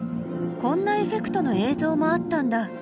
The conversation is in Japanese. こんなエフェクトの映像もあったんだ。